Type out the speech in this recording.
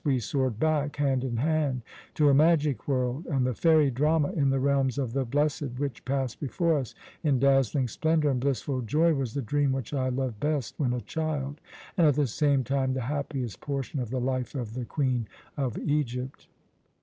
We soared back, hand in hand, to a magic world, and the fairy drama in the realms of the blessed, which passed before us in dazzling splendour and blissful joy, was the dream which I loved best when a child, and at the same time the happiest portion of the life of the Queen of Egypt.